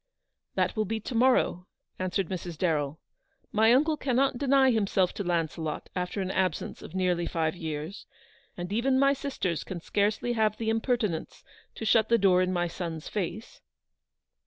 " That will be to morrow/' answered Mrs. Darrell. " My uncle cannot deny himself to Launcelot after an absence of nearly five years, and even my sisters can scarcely have the imper tinence to shut the door in my son's face."